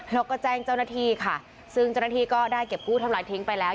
แล้วก็แจ้งเจ้าหน้าที่ค่ะซึ่งเจ้าหน้าที่ก็ได้เก็บกู้ทำลายทิ้งไปแล้ว